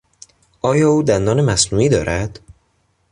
آیا او دندان مصنوعی دارد؟